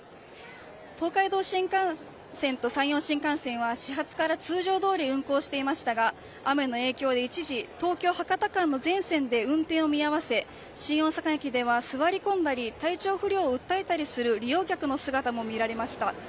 東海道新幹線と山陽新幹線は始発から通常どおり運行していましたが雨の影響で一時東京博多間の全線で運転を見合わせ新大阪駅では座り込んだり体調不良を訴えたりする利用客の姿も見られました。